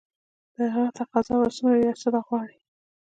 د هغه تقاضا به څومره وي او څه به غواړي